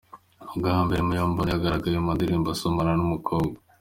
Bwa mbere Muyombano yagaragaye mu ndirimbo asomana n’umukobwa